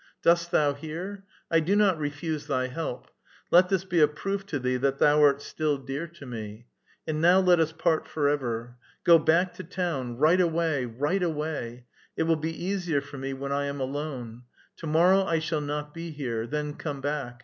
Dost thou hear ? I do not refuse thy help. Let this be a proof to thee that thou art still dear to me. And now let us part forever. Go back to town, right away, right away 1 It will be easier for me when I am alooe. To morrow I shall not be here ; then come back.